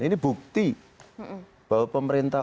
ini bukti bahwa pemerintah